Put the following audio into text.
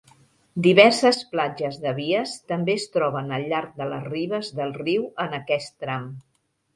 Diverses platges de vies també es troben al llarg de les ribes del riu en aquest tram.